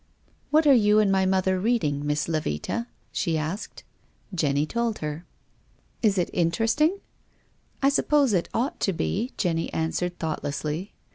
" What are you and my mother reading, Miss Levita ?" she asked. Jenny told her. 132 TONGUES OF CONSCIENCE. " Is it interesting? "" I suppose it ought to be," Jenny answered, thoughtlessly.